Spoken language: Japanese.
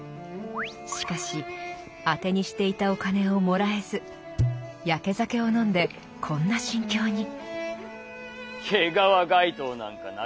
しかし当てにしていたお金をもらえずやけ酒を飲んでこんな心境に。